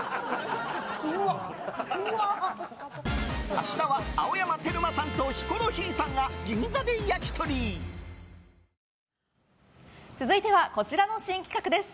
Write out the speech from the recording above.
明日は青山テルマさんとヒコロヒーさんが銀座で焼き鳥！続いてはこちらの新企画です。